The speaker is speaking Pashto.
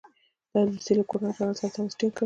د روسیې له ګورنر جنرال سره یې تماس ټینګ کړ.